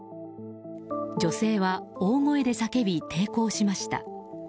女性は大声で叫び、抵抗しました。